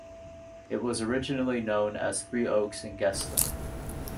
It was originally known as Three Oaks and Guestling.